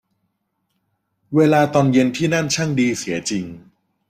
เวลาตอนเย็นที่นั่นช่างดีเสียจริง